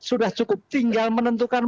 sudah cukup tinggal menentukan